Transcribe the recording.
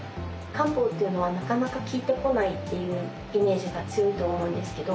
漢方っていうのはなかなか効いてこないっていうイメージが強いと思うんですけど